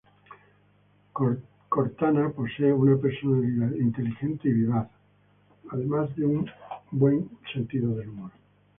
Cortana posee una personalidad inteligente y vivaz, además de un buen sentido del humor.